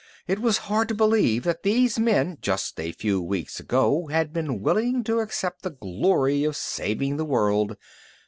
It was hard to believe that these men, just a few weeks ago, had been willing to accept the glory of saving the world.